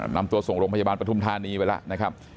นำตัวส่งโรงพยาบาลปฐุมธานีไปแล้วนะครับ